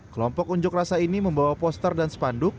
kelompok unjuk rasa ini membawa poster dan spanduk